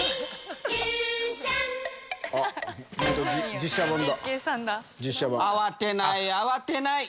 実写版だ！